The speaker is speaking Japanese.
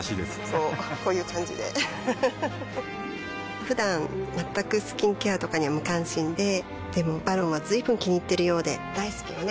こうこういう感じでうふふふだん全くスキンケアとかに無関心ででも「ＶＡＲＯＮ」は随分気にいっているようで大好きよね